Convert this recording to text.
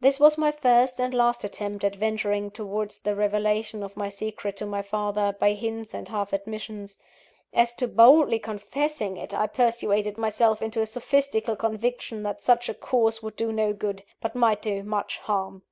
This was my first and last attempt at venturing towards the revelation of my secret to my father, by hints and half admissions. As to boldly confessing it, I persuaded myself into a sophistical conviction that such a course could do no good, but might do much harm.